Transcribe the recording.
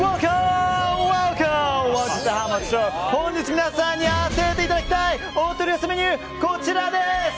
本日皆さんに当てていただきたいお取り寄せメニューはこちらです。